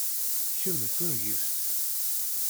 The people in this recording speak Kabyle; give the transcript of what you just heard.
Kemm d tungift!